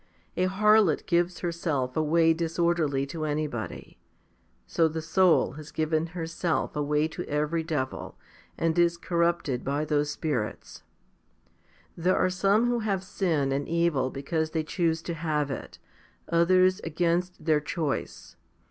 A harlot gives herself 1 Rom. viii. 17. 2 Heb. xii. 23. 200 HOMILY XXVII 201 away disorderly to anybody ; so the soul has given herself away to every devil, and is corrupted by those spirits. There are some who have sin and evil because they choose to have it, others against their choice.